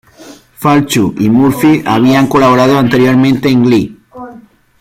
Falchuk y Murphy habían colaborado anteriormente en "Glee".